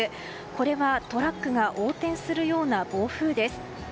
これはトラックが横転するような暴風です。